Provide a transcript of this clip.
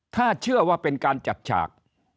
ถ้าเชื่อว่าเป็นการจัดฉาก